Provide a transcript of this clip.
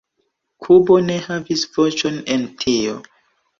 Kubo ne havis voĉon en tio"”.